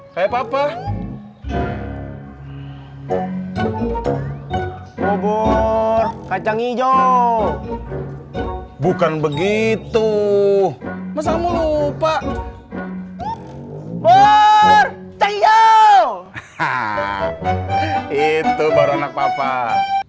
kayak papa bobor kacang hijau bukan begitu masamu lupa bor sayo itu baru anak papa yuk jalan